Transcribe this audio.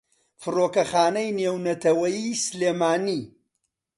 فڕۆکەخانەی نێونەتەوەییی سلێمانی